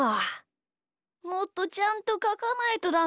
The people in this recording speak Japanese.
もっとちゃんとかかないとダメだ。